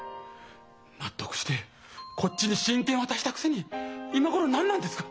納得してこっちに親権を渡したくせに今頃何なんですか？